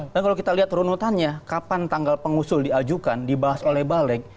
dan kalau kita lihat runutannya kapan tanggal pengusul diajukan dibahas oleh baleg